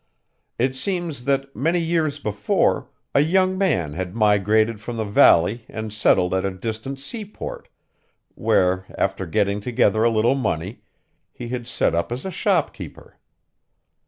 It seems that, many years before, a young man had migrated from the valley and settled at a distant seaport, where, after getting together a little money, he had set up as a shopkeeper.